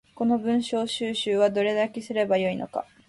この文章収集はどれだけすれば良いのか